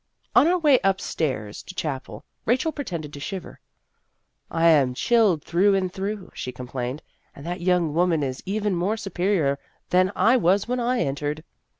On our way up stairs to chapel, Rachel pretended to shiver. " I am chilled through and through," she complained ;" that young woman is even more superior than I was when I entered.